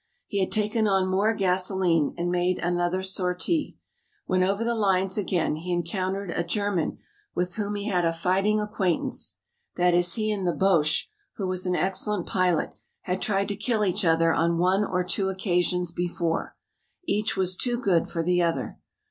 He had taken on more gasoline and made another sortie. When over the lines again he encountered a German with whom he had a fighting acquaintance. That is he and the Boche, who was an excellent pilot, had tried to kill each other on one or two occasions before. Each was too good for the other.